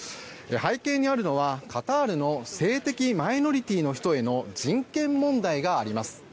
背景にあるのはカタールの性的マイノリティーの人への人権問題があります。